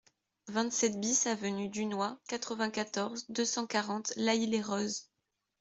vingt-sept BIS avenue Dunois, quatre-vingt-quatorze, deux cent quarante, L'Haÿ-les-Roses